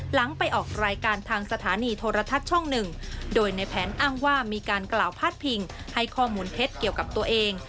หลังไปออกรายการทางสถานีโทรทัศน์ช่องหนึ่งโดยในแผนอ้างว่ามีการกล่าวพาดพิงให้ข้อมูลเท็จเกี่ยวกับตัวเอง